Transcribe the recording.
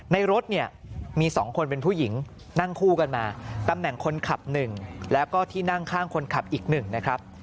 ในรถเนี่ยมี๒คนเป็นผู้หญิงนั่งคู่กันมาตำแหน่งคนขับ๑แล้วก็ที่นั่งข้างคนขับอีก๑นะครับ